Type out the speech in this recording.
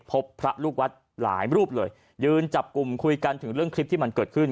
พบพระลูกวัดหลายรูปเลยยืนจับกลุ่มคุยกันถึงเรื่องคลิปที่มันเกิดขึ้น